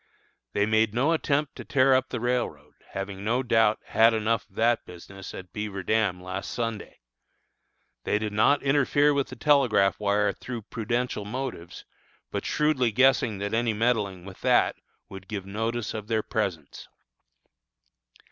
They made no attempt to tear up the railroad, having no doubt had enough of that business at Beaver Dam last Sunday. They did not interfere with the telegraph wire through prudential motives, shrewdly guessing that any meddling with that would give notice of their presence.